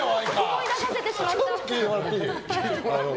思い出させてしまった。